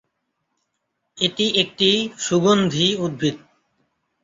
এটি একটি সুগন্ধি উদ্ভিদ।